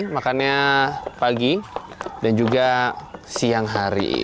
makannya pagi dan juga siang hari